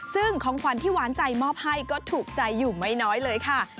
ซึ่งของขวัญที่หวานใจมอบให้ก็ถูกใจอยู่ไม่น้อยเลยค่ะ